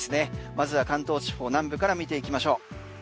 まずは関東地方南部から見ていきましょう。